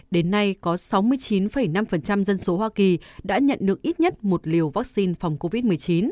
đến nay có sáu mươi chín năm dân số hoa kỳ đã nhận được ít nhất một liều vaccine phòng covid một mươi chín